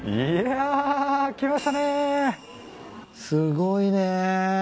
すごいね。